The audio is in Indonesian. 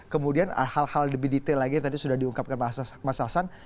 kemudian hal hal lebih detail lagi yang tadi sudah diungkapkan mas hasan